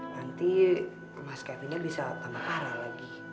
nanti mas kevinnya bisa tambah parah lagi